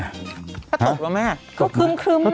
ถ้าตกแล้วมั้ย